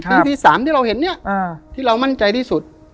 ปีที่๓ที่เราเห็นเนี่ยที่เรามั่นใจที่สุด